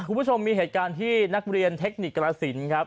คุณผู้ชมมีเหตุการณ์ที่นักเรียนเทคนิคกรสินครับ